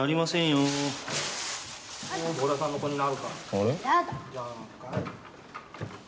あれ？